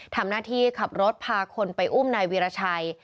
ทำหน้าที่ขับรถพาคนไปอุ้มนายวีรชัย